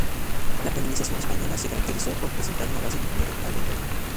La colonización española se caracterizó por presentar una base minero-agrícola.